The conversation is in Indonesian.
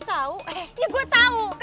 nggak ada buktinya nyomut